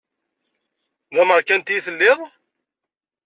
D amerkanti i telliḍ?